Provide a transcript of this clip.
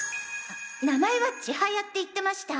名前は「ちはや」って言ってました！